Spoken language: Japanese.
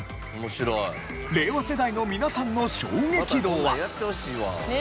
令和世代の皆さんの衝撃度は？